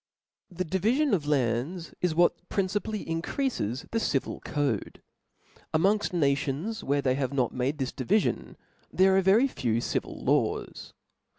'Tp H E divifion of lands ia what principally ■■" increafes the civil cods. Amongfl nations tvhere they have not made this divifion, there are very few civil laws.